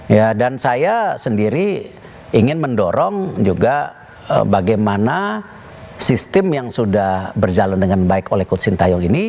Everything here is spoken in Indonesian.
ya dan saya sendiri ingin mendorong juga bagaimana sistem yang sudah berjalan dengan baik oleh coach sintayong ini